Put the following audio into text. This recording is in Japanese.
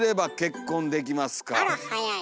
あら早い。